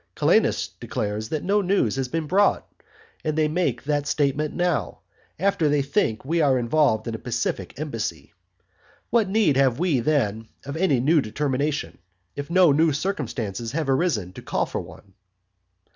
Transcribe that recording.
Calenus declares that no news has been brought. And they make that statement now, after they think that we are involved in a pacific embassy. What need have we, then, of any new determination, if no new circumstances have arisen to call for one?